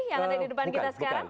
yang ada di depan kita sekarang